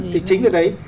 thì chính cái đấy